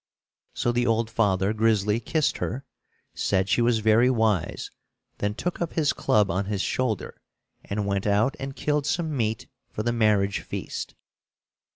So the old father Grizzly kissed her, said she was very wise, then took up his club on his shoulder and went out and killed some meat for the marriage feast.